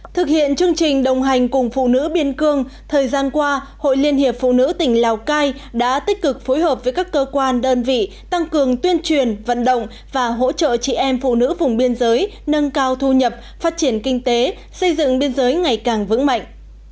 thực hiện chương trình đồng hành cùng phụ nữ biên cương thời gian qua hội liên hiệp phụ nữ tỉnh lào cai đã tích cực phối hợp với các cơ quan đơn vị tăng cường tuyên truyền vận động và hỗ trợ chị em phụ nữ vùng biên giới nâng cao thu nhập phát triển kinh tế xây dựng biên giới ngày càng vững mạnh